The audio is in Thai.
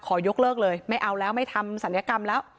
ยกเลิกเลยไม่เอาแล้วไม่ทำศัลยกรรมแล้ว